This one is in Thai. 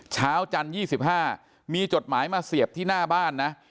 เช้าจันทร์๒๕มีจดหมายมาเสียบที่หน้าบ้านนะ